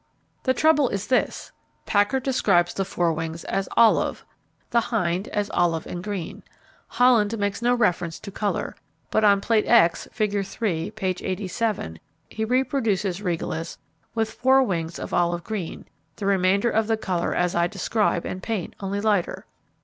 The trouble is this: Packard describes the fore wings as 'olive,' the hind as 'olive, and green.' Holland makes no reference to colour, but on plate X, figure three, page eighty seven, he reproduces Regalis with fore wings of olive green, the remainder of the colour as I describe and paint, only lighter.